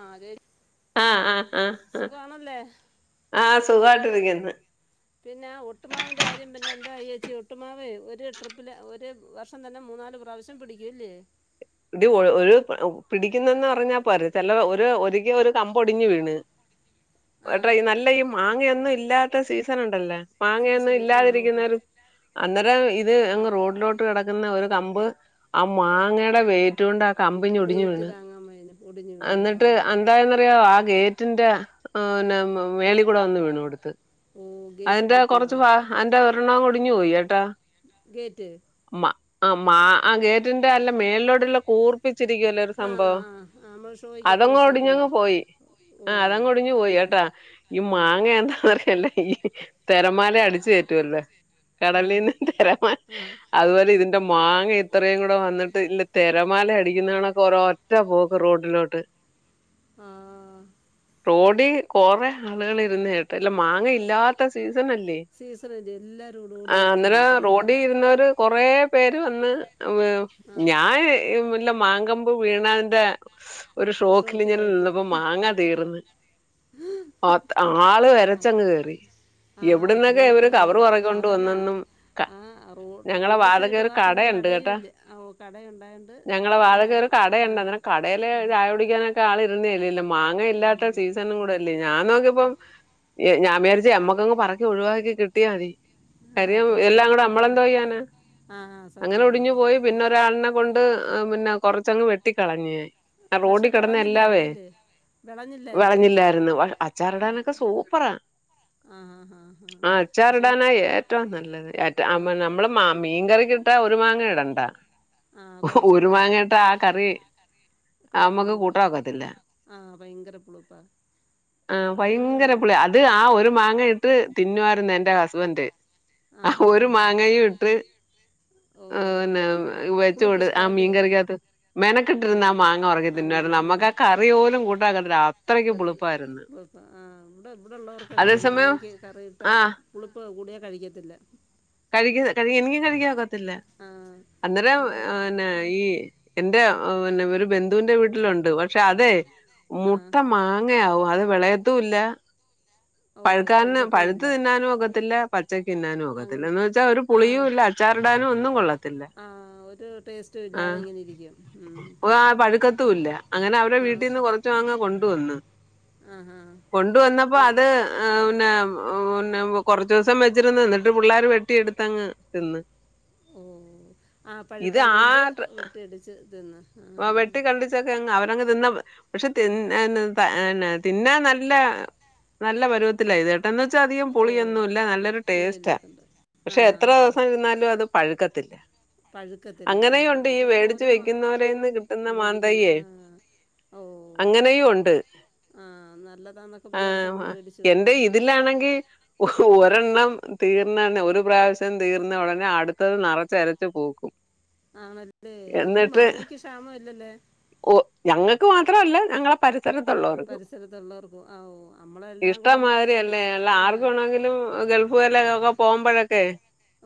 ആ അതെ ആഹ് ആഹ് ആഹ് ആഹ് സുഖവണല്ലേ ആഹ് സുഖായിട്ടിരിക്കുന്ന് പിന്നെ ഒട്ടുമാവി്ന്റെ കാര്യം പിന്നെ എന്തായിച്ചി ഒട്ടുമാവ് ഒരു ട്രിപ്പില് ഒരു വ വം തന്നെ മൂന്നാല് പ്രാവശ്യം പിടിക്കുംല്ലേ ഇടി ഒരു പിടിക്കുന്നന്ന് പറഞ്ഞാ പോര് ചില ഒരു ഒരിക്കല ഒരു കമ്പൊടിഞ്ഞ് വീണ് [inaudible] ട്ട നല്ല ഈ മാങ്ങയൊന്നും ഇല്ലാത്ത സീസൺ ഉണ്ടല്ലേ മാങ്ങൊന്നും സീസണ് ആ ഓഹോ ഇല്ലാതിരിക്കുന്നേരം അന്നേരം ഇത് ആ അങ്ങ് റോഡിലോട്ട് ട്ട് കെടക്കുന്ന ഒരുതമ്പ് ആ മാങ്ങയുടെ മേ റ്റു ണ്ട് കമ്പിഞ്ഞ ഒടിഞ്ഞു ഗേറ്റ് വീണ് താങ്ങാൻ വയ്യ ഒടിഞ്ഞു വീണ് ആ അന്നിട്ട് എന്താന്നറിയോ ആ ഗേറ്റ് ന്റെ പിന്നെ മേളി കൂടെ വന്ന് വീണു അടുത്ത് ഓ ഗേറ്റും അതിന്റെ പൊട്ടിയോ കുറച്ച് ബാ ആന്താ ഒരെണ്ണം ഒടിഞ്ഞു പോയിഎട്ടാ ഗേറ്റ് മ ആ മാ ആ ഗേറ്റിന്റെ അല്ല മേളിലോടെയള്ള കൂർ ച്ചിരിക്കുവല്ലോ ഒരു ആ സംഭവം ആ ആ, നമ്മൾ ഷോയ്ക്കൊക്കെ അതങ്ങ് വെച്ചേക്കുന്ന ഒടിഞ്ഞങ്ങ് പോയി. ഓ ആഹ അതങ്ഒടിഞ്ഞു പോയിട്ടാ ഈ ആ മാങ്ങ എന്താ അറിയല്ലേ തെരമാല അടിച്ചു കെറ്റുവല്ലോ കടലിന്ന് തരാ ആ അതുപോലെ ഇതിന്റെ മാങ്ങ ഇത്രയും കൂടെ വന്നിട്ട് ഇല്ല തെരമാല അടിക്കുന്നതണൊക്കെ ഓരോ റ്റ പോക്ക് റോഡിലോട്ട് ആഹ് ആഹ് റോഡിൽ കുറെ ആളുകൾ ഇരുന്ന് കേട്ട അല്ല മാങ്ങ ഇല്ലാത്ത സീസൺല്ലേ സീസണല്ലേ എല്ലാവരും കൂടെ ഓടി വന്ന് ആന്നേരം കാണും പറക്കാൻ റോഡ ഇരുന്നര് കൊറെ പേര് വന്ന് ആ ഞാൻ വല്ല മാങ്കമ്പ് വീണന്റെ ഒരു ഷോക്കില് ങ്ങനെ ഷോക്കിലായിപ്പ് നിന്നപ്പോ മാങ്ങാ തീർന്ന് ആള് വരച്ചങ്ങ് കേറി ആഹ് എവിടുന്നൊക്കെ ഇത്രയും ഇവര് പേരു കവറ് പറക്കൊണ്ട് അതല്ല വന്നെന്നും ആ റ ഞങ്ങളെ റോഡ് വാതക്കെ സൈഡ ഒരു ആ പിന്നെ കടയുണ്ട് കേട്ടാ കടയുംല്ല കട ഉണ്ടായ ഞങ്ങളെ വാടക ഒരു കടയുണ്ട് അന്നെ കടൽ ചായ കുടിക്കാനൊക്കെ ആൾ ഇരുന്നേല്ലല്ലോ മാങ്ങ ഇല്ലാത്ത സീസൺ കൂടെല്ലേ ഞാൻ നോക്കിയപ്പം ഞാൻ വിചരിച്ച എമ്മക്കെങ് പറക്കി ഒഴിവാക്കി കിട്ടിയാ മതി ആ, കരിയം എല്ലാം അത്രയും കൂടെ അമ്മളം തോയ്യാന ആ, ആ അങ്ങനെ ഒടിഞ്ഞു സത്യമാണ് പോയി പിന്നെ ഒരാളിനെ കൊണ്ട് മുന്നെ കൊറച്ചങ്ങ് വെട്ടിക്കളഞ്ഞ ആഹ് പക്ഷെ റോഡിൽ കെടന്ന എല്ലാവേ വിളഞ്ഞില്ലായിരുന്നല്ലേ വിളഞ്ഞില്ലായിരുന്നല്ലേ വെളഞ്ഞില്ലായിരുന്നു അച്ചാറിടാനൊക്കെ സൂപ്പറാ ആ ഹാ ഹാ ഹാ ആഹ് പക്ഷെ ആച്ചാറിടാനാ ഏറ്റവും നല്ലത് ആ ഏഹ് നമ്മള് മാ മീൻ കറി കിട്ടാ ഒരു മാങ്ങ ഇടണ്ട ആഹ് ഒരു കൊറച്ചിട്ടാതി മാങ്ങ ഇട്ടാ ആ കറി കളയാനേ നമുക്ക് ഉള്ളൂ കൂട്ടാൻ ഒക്കത്തില്ല ആഹ് ഭയങ്കര പുളിപ്പാ ആഹ് അല്ല ഈ ഭയങ്കരപുളി അത് ഭയങ്കര ആഹ് ഒരു മാങ്ങ ഇട്ട് തിന്നുമായിരുന്നു എൻ്റെ ഹസ്ബൻഡറ് ആഹ് ഒരു മാങ്ങയും ഇട്ട് ആന്നെ ഓഹ് വെച്ച പുളിപ്പ് കൊട് ആഹ് ഇഷ്ടവല്ലേ മീൻ കറിക്കാത്തത്ത് മെനക്കട്ടിരുന്ന ആഹ് മാങ്ങ ഉറങ്ങി തിന്നമായിരുന്നു നമ്മുക്ക് ആഹ് ക റിയോലും കൂട്ടാ [unintelligible] ആഹ് ഇവിടെ ഇവിടെള്ളോർക്കൊക്കെ അതേസമയം മാങ്ങയ്ക്ക് കറി ഇട്ട ആഹ് പുളിപ്പ് കൂടിയാ കഴിക്കത്തില്ല കഴുകി കഴുകി എനിക്കും കഴുകി ആക്കത്തില്ല ആഹ് അന്നേരം ഇവിടെ ന്നെ ഈ എന്റെ പിന്നെ ഒരു ബന്ധുവിന്റെ വീട്ടിലുണ്ട് പക്ഷെ അതെ ആഹ് മുട്ട മാങ്ങയാവും അത് വെളയത്തുംല്ല ഓഹ് പഴുക്കാരന് പഴുക്കത്തും ഇല്ല പഴുത്ത് തിന്നാനും ഒക്കത്തില്ല പച്ചക്ക് തിന്നാനും അങ് കൊലത്തിന്ന് വെച്ചാ ഒരു ആഹ് പുളിയും ഇല്ല അച്ചാറിടാനും ഒന്നും കൊള്ളത്തില്ല ആഹ് ഒരു ടേസ്റ്റും ഇല്ലാതെ ഇങ്ങനെ ഇരിക്കും ഉം ആഹ് പഴുക്കത്തുംല്ല അങ്ങനെ അവടെ ആഹ് പക്ഷെ വീട്ടിന്ന് കൊറച്ച് റ്റമാങ്ങ കൊണ്ടുവന്ന് ആഹാ കൊണ്ടുവന്നപ്പോ ഇ- അത് ആഹ് പിന്നെ പിന്നെ കൊറച്ചസം വെച്ചിരുന്ന് നിന്നിട്ട് പിള്ളേർ വെട്ടിയടുത്തങ്ങ് തിന്ന് ഓ ആഹ് ഇത് പഴുക്കാഞ്ഞ കൊണ്ട് വെട്ടിടിച്ച് തിന്ന ആഹ് വെട്ടി കണ്ടി ച്ചക്കെ അവരങ്ങ് തിന്ന പക്ഷെ തിന്നെ നല്ല നല്ല പരുവത്തിലാഇത് എന്ന് വെച്ചാ അധികം ഓ പുളിയൊന്നുംല്ല നല്ലൊരു ടേസ്റ്റ ആഹ് പുളിയില്ലാത്തണ്ട് പക്ഷെ ആഹാ എത്ര ഹാ ഹാ ദിവസം ഇരുന്നാലും അത് പഴുക്കത്തില്ല പഴുക്കത്തില്ല ആ അങ്ങനെയുണ്ട് അത് ഈ ചിലപ്പോൾ വേടിച്ച് ഓരോ മ- വെക്കുന്നവര കിട്ടുന്ന മേടിക്കുന്ന മാന്തയ്യെ ആ ഓ അങ്ങനെയും ഉണ്ട് ആ നല്ലതാന്നൊക്കെ വിചാരിച്ച് നമ്മൾ ആഹ് മേടിച്ച് എന്റെ വെക്കും ഇതിലാണെങ്കിൽ ആ ഒരെണ് തീർന്ന തന്ന ഒരു പ്രാവശ്യം തീർന്ന ഉടനെ അടുത്തത് നിറച്ചരച്ചു പൂക്കും ആണല്ലേ അതുകൊണ്ട് എന്നിട്ട് മാങ്ങക്ക് ക്ഷാമം ഇല്ലല്ലേ ഓ ഞങ്ങൾക്ക് മാത്രമല്ല ഞങ്ങളെ പ ത്തരത്തുള്ളവർക്കും പരിസരത്തുള്ളവർക്കും ആ ഓ നമ്മളെല്ലാം കൂടെ നമ്മളെ ഇഷ്ടമാതിരിയല്ലേ അല്ല ആ, ആർക്ക ആണെങ്കിലും ല്ല ഒക്കെ പോകുമ്പോഴൊക്കെ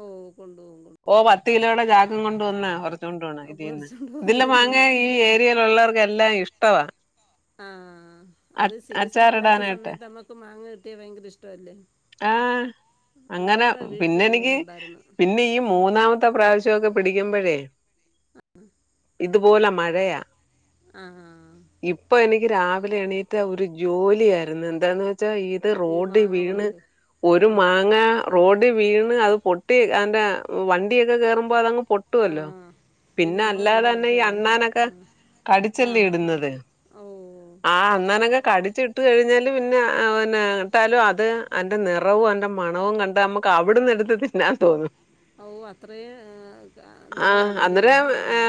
ഓ കൊണ്ടുപോകും ഓ പത്ത് കൊണ്ടുപോകും കിലോടെ ജാക്കം കൊണ്ട വന്ന കുറച്ച കൊണ്ട് പോണ അപ്പോൾ ഇതിന്ന് മേടിച്ചോണ്ട് ഇതില്ല പോകുന്നല്ലേ മാങ്ങ ആ ഈ ഏരിയൽ ഒള്ളർക്ക്ല്ലാം ഇഷ്ടവ ആഹ് അഹ് ആഹ് അത് സീസൺ അല്ലാത്ത അച്ചാറിടാനായിട്ട് സമയത്ത് നമ്മുക്ക് മാങ്ങ കിട്ടിയൽ ഭയങ്കര ഇഷ്ടല്ലേ ആ അങ്ങനെ വീട്ടിലും പിന്നെ ഇതുപോലെ എനിക്ക് ഉണ്ടായിരുന്നു പിന്നെ ഈ മൂന്നാമത്തെ പ്രാവശ്യമൊക്കെ പിടിക്കുമ്പഴേ ഉം ഇതുപോലെ മഴയാ ആഹ് ആഹ് ഇപ്പൊ എനിക്ക് രാവിലെ എണീറ്റ് ഒരു ജോലിയ ആായിരുന്നു എന്താന്ന് വെച്ചാ ഈ റോഡ് മാങ്ങ വീണ് പറക്ക് ഒരു ആഹാ മാങ്ങ റോഡ് വീണ് അത് പൊ പൊട്ടി അന്റെ വണ്ടിയൊക്കെ കേറുമ്പോ അതങ്ങ് പൊട്ടുവല്ലോ ആഹ് പിന്നെ നമ്മൾ അല്ലാതെ വേണ്ടേ തന്നെ ഈ വൃത്തിയാക്കാൻ അണ്ണാനൊക്കെ കടിച്ചല്ലേ ആഹ് ആഹ് ഇടുന്നത് ഓ എന്നാനൊക്കെ കടിച്ച ഇട്ടു കഴിഞ്ഞാല് പിന്നെന്നെ ഇട്ടാലും അത് എന്റെ നിറവും അന്റെ മണവും കണ്ട് നമുക്ക് അവിടന്ന് എടുത്ത ന്നാൻ തോന്നുന്നു ഓ അത്രയും ആ, ക- ആഹ് നല്ലതാണല്ലേ അന്നരം ആഹ്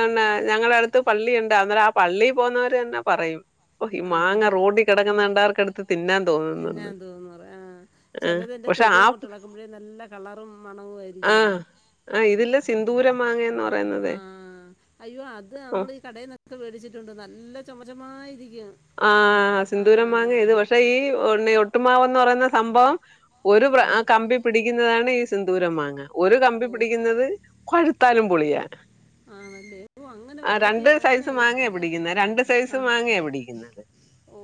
ഞങ്ങള അടുത്ത് ത്ത് പള്ളിയുണ്ട വന്നെ ആഹ് പള്ളിൽ പോന്നവർ തന്നെ പറയും ഓ ഈ മാങ്ങ റോഡി കിടക്കുന്നുണ്ടവർക്ക് എടുത്ത് തിന്നെ തോന്നന്ന് പറയാ ആഹ് ആ ചിലത് ന്റെ പക്ഷെ തൊലി ആ അങ്ങോട്ട് ഇളക്കുമ്പോഴേ നല്ല കളറും മണവും ആയിരിക്കും ലോ ആഹ് ഇതില് സിന്ദൂരം മാങ്ങന്ന് ആ പറയുന്നതേ അയ്യോ അത് നമ്മൾ ഈ കടയിൽ നിന്നൊക്കെ മേടിച്ചിട്ടുണ്ട് നല്ല ചുമച്ചമായിരിക്കും ആഹ് സിന്ദൂര മാങ്ങ ഇത് പക്ഷെ ഈ ഒ ഒട്ടുമാവ്ന്ന് പറയുന്ന സംഭവം ഒരു പ്ര ആഹാ കമ്പി പിടിക്കുന്നതാണ് ഈ സിന്ദൂരം മാങ്ങ ഒരു കമ്പി ഓ പിടിക്കുന്നത് കൊഴുത്താലും പൊളിയാ ആണല്ലേ ഓ അങ്ങനെ ആഹ് വെറൈറ്റി രണ്ട് അങ്ങനെ സൈസ് മാങ്ങയ വ്യത്യ- ആ പിടിക്കുന്ന രണ്ട് സൈസ് ആ, മാങ്ങയ പിടിക്കുന്നേ ഇന്നല്ലെ ഓ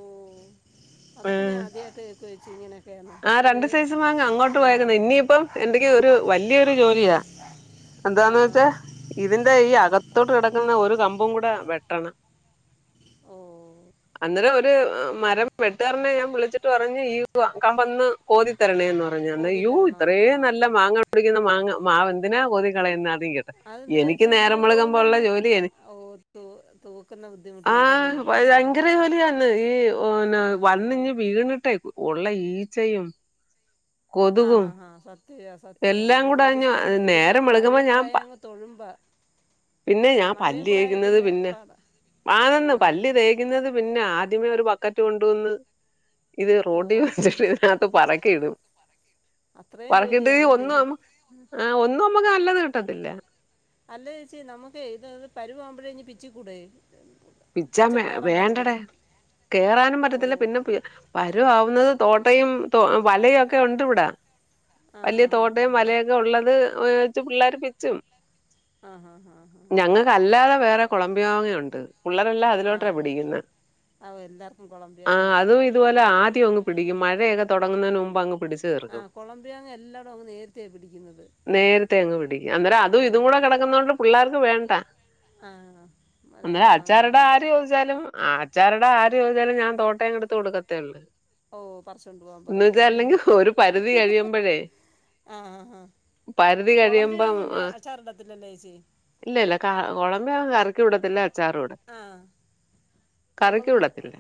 അതൊക്കെ ഞാൻ ആദ്യമായിട്ട് കേക്ക ചേച്ചി ഇങ്ങനൊക്കെയന്ന ഒരു ഏഹ് ഇപ്പം എന്തക്ക് ഒരു വലിയൊരു ജോലിയാ ആ എന്താന്ന് വെച്ചാ ഇതിന്റെ ഈ അകത്തോട്ട് കിടക്കുന്ന ഒരു കമ്പും കൂടെ വെട്ടണം ഓ അന്നേരം ഒരു മരം വെട്ടുകാരനെ ഞാൻ വിളിച്ചിട്ട് പറഞ്ഞ് ഈ കമ്പന്ന് കോതിത്തരണേന്ന് പറഞ്ഞു കോതി തരണമെന്ന് ആ യോഇത്രയും നല്ല അവര് മാങ്ങ കുടിക്കുന്ന മാങ്ങ മാവ എന്തിനാ കോതി കളയന്ന് ആദ്യം കേട്ട അതെന്തിന ചേച്ചി എന്തിനാ പ തോതുന്നത് പിന്നെ എനി ഓ തൂക്കുന്ന ബുദ്ധിമുട്ടുണ്ടല്ലേ ആഹ് ആ ഭയങ്കര ജോലിയാന്ന് ഈ ആ വന്നിഞ്ഞ് വീണിട്ടെ ഉള്ള ഈച്ചയും ആഹ് കൊതുകും ആഹ് ആഹ് സത്യവാ സത്യവാണ് എല്ലാം അങ്ങ് കൂടെ ഒരു അഞ്ഞു സ്മെല്ല് പിന്നെ നേരം അങ്ങ് വെളുകുമ്പോ മഴയും ഞാൻ കൂടായ അങ്ങ് തൊഴുമ്പാ പിന്നെ ഞാൻ ആഹ് പല്ല് മഴയും കൂടായ തേക്കുന്നത് പിന്നെ പാടാ ആതന്ന് ആഹ് പല്ലി തേ കുന്നത് പിന്നെ ആദ്യമേ ഒരു ബക്കറ്റ് കൊണ്ടുവന്ന് ഇത് ഓഹ് റോഡിൽ അത്ര വച്ചിട്ട് ഇതിനകത്ത് പറക്കിടും അത്രയും പാക്കിട്ട് കഴിഞ്ഞ ജോലിയാണല്ലേ ഒന്നും ആഹ് ഒന്നും നമ്മക്ക് നല്ലത് കിട്ടത്തില്ല. അല്ല ചേച്ചി നമ്മുക്ക് ഇത് പരുവാവുമ്പോഴേ പിച്ചി കൂടെ പിച്ചാൻ വേണ്ടട കേറാനും പറ്റത്തില്ല ഓഹ് പിന്നെ വരുവാവുന്നത് തോട്ടയും തോ വലയും ഒക്കെ ഉണ്ട് ഇവിടാ. ആഹ് വലിയ ആഹ് തോട്ടം ആഹ് ആഹ് വലയൊക്കെ ഉള്ളത് വെച്ച് പിള്ളേർ പിച്ചും. ആഹ് ആഹ് ആഹ് ഞങ്ങൾക്കല്ലാതെ വേറെ കൊളമ്പിയ മാങ്ങ ഉണ്ട്. പിള്ളാരല്ലാം ആഹ് അതിലോട്ട ആഹ് പിടിക്കുന്നത് ആഹ് എല്ലാർക്കും കൊളംബിയാങ്ങ ആഹ് ഇഷ്ടാ അതും ഇതുപോലെ ഓഹ് ആദ്യ അങ്ങ് പിടിക്കും. മഴയ തുടങ്ങുന്നതി മുമ്പ് അങ്ങ് പിടിച്ചു. തീർക്കും. ആഹ് കൊളംമ്പിയ മാങ്ങ എല്ലാതും അങ്ങ് നേരത്തെയാണ് പിടിക്കുന്നത്. നേരത്തെ അങ്ങ് പിടിക്കും അന്നേരം അതും ആഹ് ഇതും കൂടെ കിടക്കുന്നുകൊണ്ട് പിള്ളേർക്ക് വേണ്ടാ. ആഹ് രണ്ട് മാങ്ങ ടെ ആര് ചോദിച്ചാലും ആഹ് അച്ചാരിടാൻ ആര് ചോദിച്ചാലും ഞാൻ തോട്ടെടുത്ത് കൊടുക്കത്തേ ഉള്ളു. ഓ പറച്ചൊണ്ട് പോവാൻ പറയും ഒരു പരിധി കഴിയുമ്പഴേ ആഹ് ആഹ് ആഹ് പരിധി കുളമ്പി കഴിയുമ്പം കുഞ്ഞ ആഹ് അച്ചാർ ഇടത്തില്ലല്ലേ ചേച്ചി. ഇല്ല ഇല്ല കുളമ്പി മാങ്ങ കറിക്കടത്തില്ല അച്ചാറ് ഇടത്തില്ല. ആഹ് കറിക്ക് നമ്മളും വിടത്തില്ല.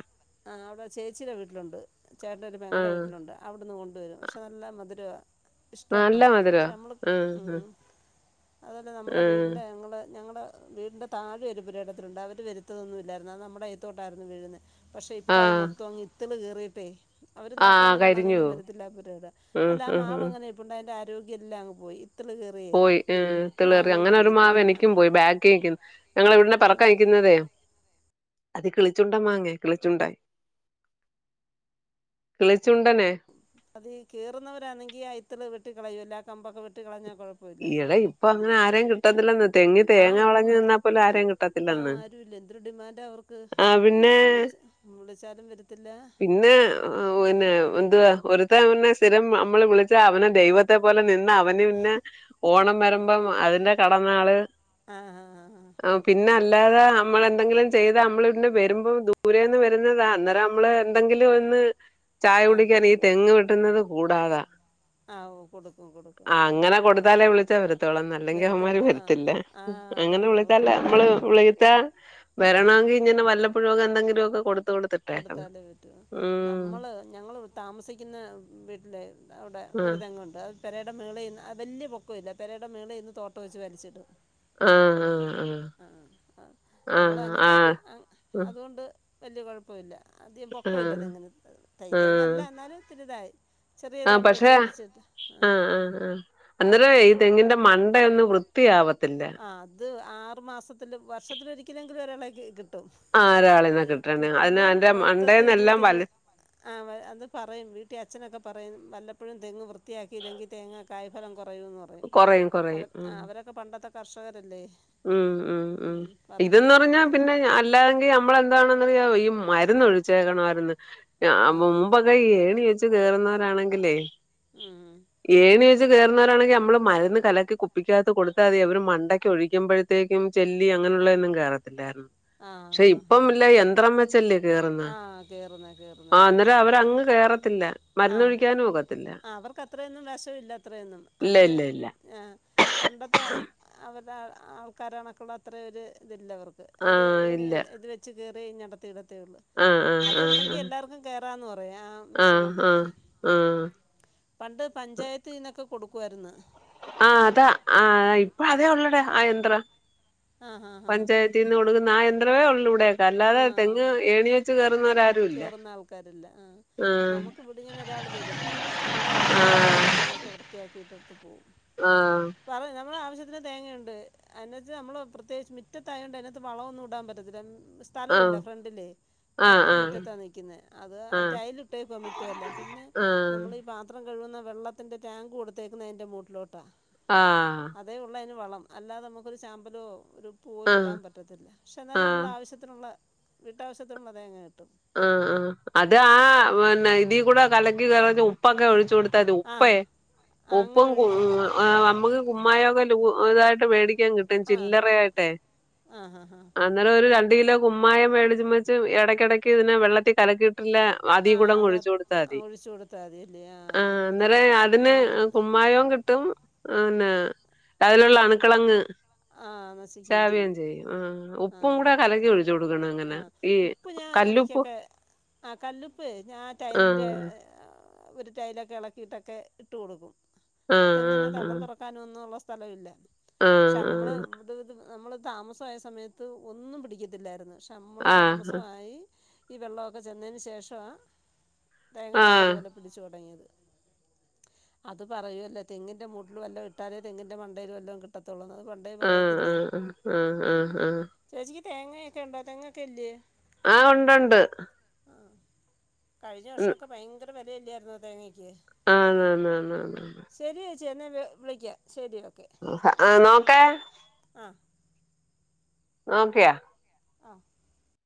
ആഹ് അവിടെ ചേച്ചിയുടെ വീട്ടിലുണ്ട് ചേട്ടന്റെ ഒരു പെങ്ങളുടെ ആഹ് വീട്ടിലുണ്ട്. അവിടുന്ന് കൊണ്ടുവരും പക്ഷെ നല്ല മധുര. നല്ല ഇഷ്ടമാണ് മധുരവാ. പക്ഷെ നമ്മൾ ആഹ് ആഹ് അതലെ നമ്മുടെ വീടിൻ്റെ ഞങ്ങൾ ഞങ്ങളുടെ വീടിന്റെ താഴെ ഒരു പുരയിടത്തിലുണ്ട് അവര് വരുത്തതൊന്നും ഇല്ലായിരുന്നു അത് നമ്മുടെ അയത്തോട്ടായിരുന്നു വീഴുന്ന്. പക്ഷെ ഇപ്പ അത് ആഹ് ആഹ് മൊത്തം അങ് ഇത്തിൾ കയറിട്ടേ അവര് ആഹ് നോക്കാനും കരിഞ്ഞു കാണാനൊന്നും പോവും. വരത്തില്ല പുരയിടം ഉം അല്ല ആഹ് ഉം മാവ് ഉം അങ്ങനെ ഇന്റെ ആരോഗ്യം എല്ലാ അങ് പോയി ഇത്തിള് കയറി. പോയി ഏഹ് ഇത്ത്ളറി അങ്ങനെ ഒരു മാവ് ആ എനിക്കും പോയി ബാക്കി നിക്കുന്ന ഞങ്ങള് ഇവിടന്ന് പറക്കഴിക്കുന്നതേ. അതേ അത് കിളിച്ചുണ്ട മാങ്ങ കിളിച്ചുണ്ടൻ കിളിച്ചുണ്ടനെ അത് ഈ കേറുന്നവരാണെങ്കി ആഹ് ഇത്തിള് വെട്ട കളയും ഇല്ല കമ്പൊക്കെ വെട്ട കളഞ്ഞാൽ കുഴപ്പ ഇടെ ഇപ്പൊ അങ്ങനെ ആരെയും കി കിട്ടത്തില്ലെന്ന് തെങ്ങി ആ തേങ്ങ ഇപ്പം വെളഞ്ഞു ആ നിന്നാ പോലും ആരേയും ആ, കിട്ടത്തില്ലെന്ന്. ആരുമില്ല എന്തൊരു ഡിമാൻഡാണ് അവർക്ക് ആഹ് പിന്നെ വിളിച്ച വിളിച്ചാലും വരത്തില്ല പിന്നെ പിന്നെ എന്തുവാ ഒരു ഇ പിന്നെ സ്ഥിരം നമ്മള് വിളിച്ചാ അവന് ദൈവത്തെ പോലെ നിന്ന അവന് പിന്നെ ഓണം വരുമ്പം അതിന്റെ കടന്നാള് ആ ആ ആ, ആ പിന്നെ ആണ് അല്ലാതെ നമ്മളെന്തെങ്കിലും ചെയ്താ നമ്മൾ ഇ വരുമ്പോൾ ദൂരെന്ന് വരുന്നതാ അന്നേരം നമ്മള് എന്തെങ്കിലും ഒന്ന് ചായ ആ കുടിക്കാൻ ഈ തെങ്ങ് വെട്ടുന്നത് കൂടാതാ. ആവൂ കൊടുക്കും കൊടുക്കും ആഹ് താലെ വിളിച്ചാ വരത്തോളന്ന് അല്ലെങ്കിൽ അവന്മാര് വരത്തില്ല. ആ അങ്ങനെ അതാണ് വിളിച്ചല്ല അവർക്ക് നമ്മള് വിളത്താ ആ വരണമെങ്കിൽ ഇങ്ങനെ വല്ല [unintelligible] എന്തെങ്കിലുമ ഒക്കെടു കൊടുത്താലേ പറ്റോള്ളു നമ്മള് ഞങ്ങൾ താമസിക്കുന്ന വീട്ടിൽ അവിടെ ഒരു ആഹ് തെങ്ങുണ്ട് അത് പെരയുടെ മേളിന്ന് വലിയ പൊക്ക ഇല്ല പെരയുടെ മേള ഇന്ന് തോട്ടയിസ് വലിച്ചിടും. ആഹ് അഹ് നമ്മൾ ആഹ് അങ്ങനെ ആഹ് അതുകൊണ്ട് വലിയ കുഴപ്പ ഇല്ല അധികം ആഹ് പൊക്കമില്ലങന് തയ് തേങ്ങല്ല ആഹ് എന്നാലും തിരിതായി. ചെറിയ ആ തോട്ടം പക്ഷെ വെച്ച് വലിച്ചിട്ട് ആഹ് ആഹ് ആഹ് അന്നേരം ഈ തെങ്ങിന്റെ മണ്ടയൊന്നും വൃത്തിയാവത്തില്ല. ആഹ് അത് ആറു മാസത്തില് വർഷത്തില ഒരിക്കലെങ്കിലും ഒരാളക്ക് കിട്ടും. ആ ഒരാളിനെ കിട്ടണേ അതിന് കിട്ടമ്പം അതിന്റെ മൊത്തത്തി മണ്ടേന്നെല്ലാം തൂതിങ്ങ് വലി ആഹ് അത് പറയും വീട്ടിൽ അച്ഛനൊക്കെ പറയും വല്ലപ്പോഴും തെങ്ങ് വൃത്തിയാക്കില്ലെങ്കിൽ തേങ്ങ കായ് ഫലം കുറയുമെന്ന് പറയും കൊറയും അവർ കൊറയും ഉം അവരൊക്കെ പണ്ടത്തെ കർഷകരല്ലേ ഉം ഉം ഉം പറയും ഇതെന്ന് പറഞ്ഞാ അല്ലേ പിന്നെ അല്ലാതെങ്കി നമ്മളി താണന്നറിയാവോ ഈ മരുന്ന് ഒഴിച്ചേക്കണമായിരുന്നു ആ മുപ് ഏണി വെച്ച് കേറുന്നവരാണെങ്കിലേ ഉം ഏണി വെച്ച് കയറുന്നവരാണെങ്കിൽ നമ്മള് മരുന്ന് കലക്കി കുപ്പിക്കകത്തു കൊടുത്താമതി അവര് മണ്ടക്കഴി പഴത്തേക്കും ചെല്ലി അങ്ങനെയുള്ളതൊന്നും കേറത്തില്ലായിരുന്നു ആ പക്ഷെ ആ ഇപ്പം ആ ഇല്ല യന്ത്രം വ ചെല്ലി കേറുന്ന ആ കയറുന്നത് കയറുന്നത് ആഹ് ആ അന്നേരം ഹാ അവരങ്ങ് കേറത്തില്ല മരുന്നൊഴിക്കാനും ഒക്ക ആഹ് അവർക്ക് അത്രയൊന്നും വശമില്ല അത്രയൊന്നും ഇല്ല അവര് ഇല്ല ഇല്ല ആഹ് പണ്ടത്തെ അവർടെ ആൾക്കാരണക്കുള്ള അത്ര ഒരു ഇതില്ലവർക്ക് ആ ഒരു ഏണി ഇല്ല ഇത് വെച്ച് കയറി അടത്തി ഇടത്തേ ഉള്ളൂ ആ ആ അതുണ്ടെങ്കി എല്ലാർക്കും കേറാന്ന് പറയാ ആഹ് ആ ആ ആ മെഷീൻ ആ ഉണ്ടെങ്കി ആ പണ്ട് പഞ്ചായത്തിനൊക്കെ കൊടുക്കുവായിരുന്നു ആഹ് അതാ ആഹ് ഇപ്പ അതെ ഉള്ളടെ ആഹ് യന്ത്ര ആ ഹാ ഹാ പഞ്ചായത്ത് [unintelligible] ആഹ് യന്ത്രമേ ഉള്ളൂവിടെ ആ അല്ലാതെ തെങ്ങ് ഏണീ വെച്ച് കേയറുന്നവരാരൂല്ല നമുക്ക് ഇവിടിങ്ങനെ ഒരാൾ വരും വല്ല പുഴുവൊക്കെ വന്നിങ്ങനെ തെങ്ങൊക്കെ വൃത്തിയാക്കിയിട്ടിട്ട് പോവും ആഹ് പറ നമ്മളെ ആവശ്യത്തിന് തേങ്ങയുണ്ട് അതിനത്ത് നമ്മൾ പ്രത്യേകിച്ച് മുറ്റത്തായ കൊണ്ട് അതിനകത്ത് വളമൊന്നും ഇടാൻ പറ്റത്തില്ല സ്ഥലമില്ല ഫ്രണ്ടില് ആഹ് ഏറ്റവും ആഹ് മുറ്റത്താ നൽക്കുന്നത് അത് ആഹ് ടൈലിട്ടേക്കുവാ മുറ്റം എല്ലാം പിന്നെ ആഹ് നമ്മൾ പാത്രം കഴുകുന്ന വെള്ളത്തിന്റെ ടാങ്ക് കൊടുത്തേക്കുന്നത് ആയിൻ്റെ മൂട്ടിലോട്ടാണ് ആഹ് അതേ ഉുള്ളതിന് വളം അല്ലാതെ നമുക്കൊരു ചാമ്പലോ ഒരു പൂ ആഹ് ആഹ് പോലും ആഹ് ഇടാൻ പറ്റത്തില്ല പക്ഷേ എന്നാൽ ആഹ് നമ്മുടെ ആവശ്യത്തി ത്തിനുള്ള വീട്ടാവശ്യത്തിനുള്ള തേങ്ങ കിട്ടും ആഹ് ആഹ് അത് ആഹ് കുഴ- പിന്നെ ഇതി കൂടെ കലക്കി കലകി ഉപ്പൊക്കെ ഒഴിച്ചു കൊടുത്ത് ത് ആ ഉപ്പേ ആ അങ്ങനെ ഉപ്പും ഒഴിക്കും [unintelligible] ആഹ് മക്ക് കുമായമക്കെ ലൂ തായിട്ട് വേടിക്കാൻ കിട്ടും ട്ടും ആ ചില്ലറ ആയിട്ടെ ആ ഹാ ഹാ അന്നേരം ഒരു രണ്ട് കിലോ കുമ്മായം വേടിച്ചു മേച്ചു ഇടയ്ക്കിടക്ക് ഇതിനെ വെള്ളത്തി കലക്കിയിട്ടില്ല ആ അതികൂടങ് അതിനക ഒഴിച്ചു കൊടുത്താതി ഒഴിച്ച് കൊടുത്താൽ മതിയല്ലേ ആ ആഹ് എന്നിട്ട് അന്നേര എന്ത് അതിന് ആ തി കുമ്മായമായവും കി ട്ടും പിന്നെ അതിലുള്ള അണുക്കളങ്ങ് ആ നശിക്കുകയും ചാവ്യം ചെയ്യും ആഹ് ആ ഉപ്പും കൂടെ അത് കലകി ഒഴിച്ചു കൊടുക്കണം ങ്ങനെ ഈ ഇ കല്ലുപ്പ് ആഹ് കല്ല്പ്പെ ഞാ ടൈലിന്റെ ആഹ് ഒരു ടൈലൊക്കെ ഇളക്കിയിട്ടൊക്കെ ഇട്ട് കൊടുക്കും ആഹ് തെങ്ങിൻ്റെ തടം തുറക്കും ക്കാനൊന്നള്ള സ്ഥലം ഇല്ല പക്ഷെ ആഹ് നമ്മൾ ഇവിട ഇത് നമ്മൾ താമസമായ സമയത്ത് ഒന്നും പിടിക്കത്തില്ലായിരുന്നു ക്ഷെ ക്ഷെ നമ്മൾ ആഹ് താമസമായി ഈ വെള്ളമൊക്കെ ചെന്നതിന് ശേഷവാ തേങ്ങ ആഹ് ആഹ് നല്ലതുപോലെ പിടിചൊടങ്ങിയത് അത് പറയൂവല്ലോ തെങ്ങിന്റെ മൂട്ടിൽ വല്ല ഇട്ടാലേ തെങ്ങിന്റെ മണ്ടയിൽ വല്ലോ കിട്ടത്തുള്ളൂ എടെ പറയത്തില്ലേ ആഹ് ചേച്ചിക്ക് തേങ്ങൊക്കെ ഉണ്ടോ തേങ്ങൊക്കെ ഇല്ലയേ ആഹ് ഉണ്ടുണ്ട് ആഹ് കഴിഞ്ഞ വർഷമൊക്കെ ഭയങ്കര വിലയില്ലായിരുന്നോ തേങ്ങക്ക് ആഹ് അന്ന ആന്ന ആന്നു ശരി യേച്ചി എന്നാൽ വി വിളിക്കാം ശരി ഓക്കെ ആ നോക്കേ ആഹ് നോക്കെയ ആഹ്